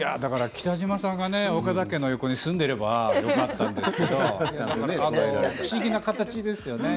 北島さんがね岡田家の横に住んでいればよかったんですけど不思議な形ですよね。